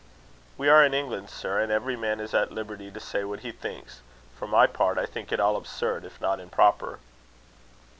"We are in England, sir; and every man is at liberty to say what he thinks. For my part, I think it all absurd, if not improper."